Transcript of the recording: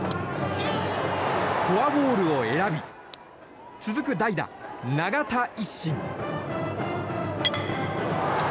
フォアボールを選び続く代打、永田一心。